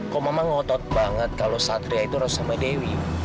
kok mama ngotot banget kalau satria itu rasa sama dewi